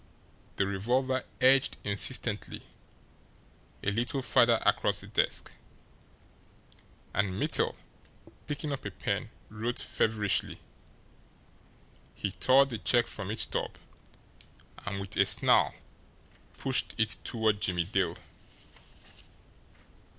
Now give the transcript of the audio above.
The revolver edged insistently a little farther across the desk and Mittel, picking up a pen, wrote feverishly. He tore the check from its stub, and, with a snarl, pushed it toward Jimmie Dale.